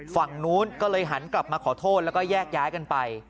ฝั่งนู้นก็เลยหันกลับมาขอโทษแล้วก็แยกย้ายกันไป